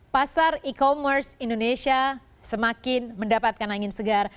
pasar e commerce indonesia semakin mendapatkan angin segar